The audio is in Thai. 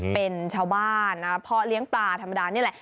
เป็นชาวบ้านนะพ่อเลี้ยงปลาธรรมดานี่แหละ